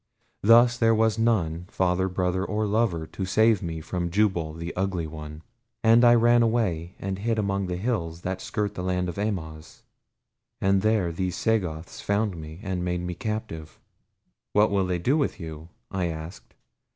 Thus there was none, father, brother, or lover, to save me from Jubal the Ugly One, and I ran away and hid among the hills that skirt the land of Amoz. And there these Sagoths found me and made me captive." "What will they do with you?" I asked.